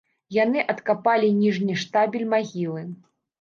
Яны адкапалі ніжні штабель магілы.